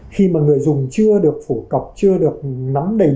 khi mà người dùng chưa được phổ cập chưa được nắm đầy